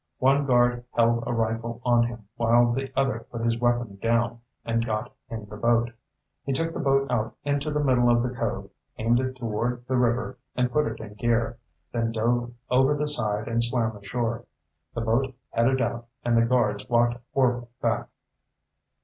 One guard held a rifle on him while the other put his weapon down and got in the boat. He took the boat out into the middle of the cove, aimed it toward the river, and put it in gear, then dove over the side and swam ashore. The boat headed out and the guards walked Orvil back."